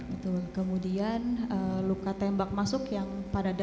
betul kemudian luka tembak masuk yang pada dada sisi luar